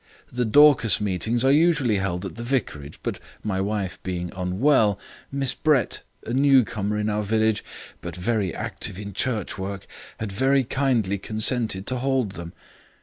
The Dorcas meetings are usually held at the vicarage, but my wife being unwell, Miss Brett, a newcomer in our village, but very active in church work, had very kindly consented to hold them.